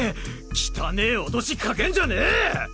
汚ねぇ脅しかけんじゃねぇ！！